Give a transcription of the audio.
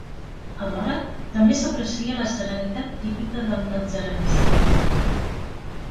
Alhora, també s'aprecia la serenitat típica del natzarenisme.